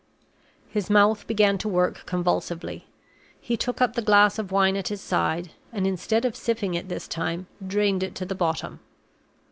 His mouth began to work convulsively. He took up the glass of wine at his side, and, instead of sipping it this time, drained it to the bottom.